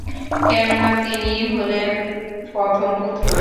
কেননা, তিনিই হলেন প্রথম পুত্র।